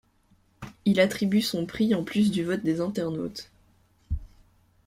Il attribue son prix en plus du vote des internautes.